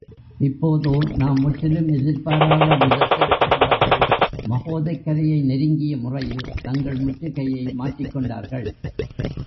இப்போதே நாம் முற்றிலும் எதிர்பாராத விதத்தில் கடம்பர்கள் மகோதைக் கரையை நெருங்கிய முறையில் தங்கள் முற்றுகையை மாற்றிக் கொண்டார்கள்.